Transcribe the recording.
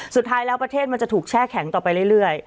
สุดท้ายแล้วประเทศมันจะถูกแช่แข็งต่อไปเรื่อย